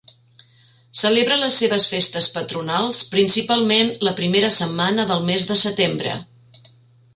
Celebra les seves Festes patronals principalment la primera setmana del mes de setembre.